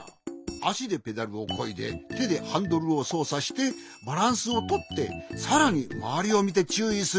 あしでペダルをこいでてでハンドルをそうさしてバランスをとってさらにまわりをみてちゅういする。